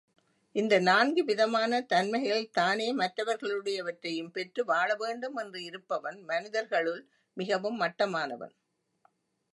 இந்த நான்கு விதமான தன்மைகளில் தானே மற்றவர்களுடையவற்றையும் பெற்று வாழ வேண்டும் என்று இருப்பவன் மனிதர்களுள் மிகவும் மட்டமானவன்.